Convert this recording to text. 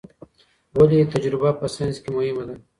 ولي تجربه په ساينس کي مهمه ده؟